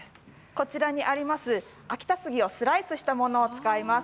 こちらにありますけれど秋田杉をスライスしたものを使います。